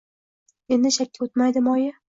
Endi chakka o‘tmaydimi, oyi?